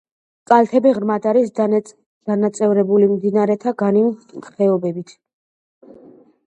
კალთები ღრმად არის დანაწევრებული მდინარეთა განივი ხეობებით.